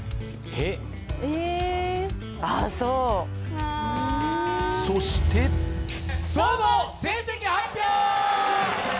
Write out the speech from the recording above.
えっあっそうそして総合成績発表！